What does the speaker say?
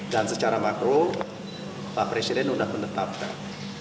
dan secara makro pak presiden sudah menetapkan